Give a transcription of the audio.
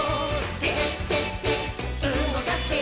「てててうごかせ」